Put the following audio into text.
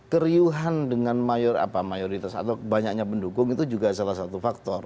keriuhan dengan mayoritas atau banyaknya pendukung itu juga salah satu faktor